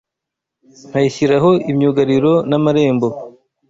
Nkayishyiraho imyugariro n’amarembo